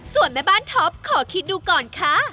ส่วนแม่บ้านท็อปขอคิดดูก่อนค่ะ